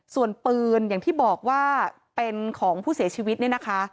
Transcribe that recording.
ส่วนปืนอย่างที่บอกว่าเป็นของผู้เสียชีวิตเนี่ยนะคะ